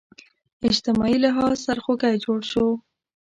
اجتماعي لحاظ سرخوږی جوړ شو